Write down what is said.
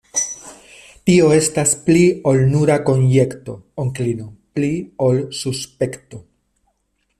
Tio estas pli ol nura konjekto, onklino; pli ol suspekto.